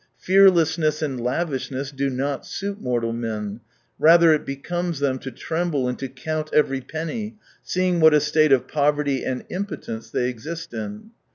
Fearlessness and lavishness do not suit mortal men, rather it becomes them to tremble and to count every penny, seeing what a state of poverty and impotence they exist in.